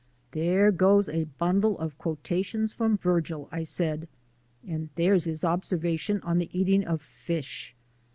"There goes a bundle of quotations from Vergil," I said, "and there's his observations on the eating of fish.